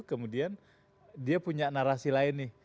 kemudian dia punya narasi lain nih